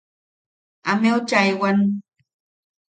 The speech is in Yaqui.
Ameu chaaewan.